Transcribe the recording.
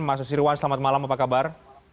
mas susirwan selamat malam apa kabar